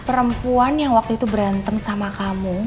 perempuan yang waktu itu berantem sama kamu